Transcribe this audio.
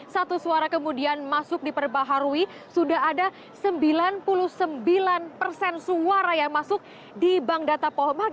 satu suara kemudian masuk diperbaharui sudah ada sembilan puluh sembilan persen suara yang masuk di bank data polmark